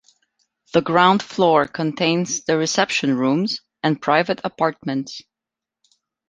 The ground floor contains the reception rooms and private apartments.